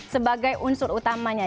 sebagai unsur utamanya